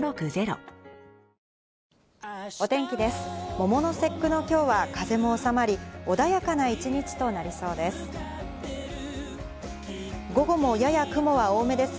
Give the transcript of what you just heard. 桃の節句の今日は風もおさまり、穏やかな一日となりそうです。